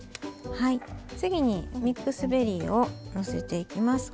次にミックスベリーをのせていきます。